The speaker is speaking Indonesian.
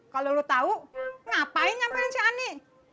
kalo lu tau ngapain nyamperin si ani